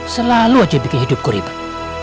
selalu aja bikin hidupku ribet